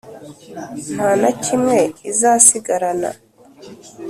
nta na kimwe izasigarana,